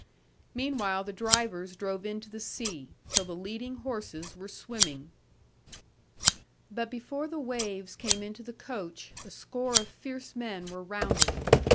Meanwhile the drivers drove into the sea, till the leading horses were swimming. 'But before the waves came into the coach, a score of fierce men were round it.